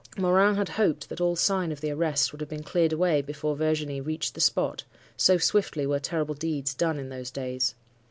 Morin had hoped that all sign of the arrest would have been cleared away before Virginie reached the spot—so swiftly were terrible deeds done in those days.